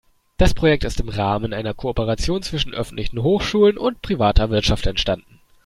Das Projekt ist im Rahmen einer Kooperation zwischen öffentlichen Hochschulen und privater Wirtschaft entstanden.